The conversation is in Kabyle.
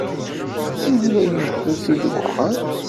Yella yimsujji deg uxxam?